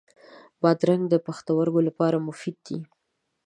بادرنګ د پښتورګو لپاره مفید دی.